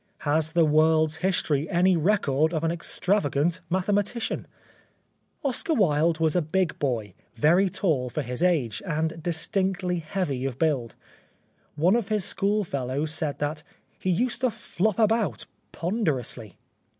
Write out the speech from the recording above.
Has the world's history any record of an extravagant mathematician ? ^■Dscar Wilde was a big boy, very tall for his age, and distinctly heavy of build. One of his schoolfellows says that '' he used to flop about ponderously."